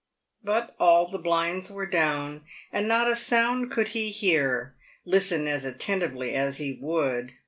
But all the blinds were down, and not a sound could he hear, listen as attentively as he would.